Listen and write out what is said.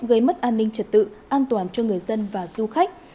gây mất an ninh trật tự an toàn cho người dân và du khách